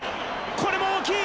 これも大きい！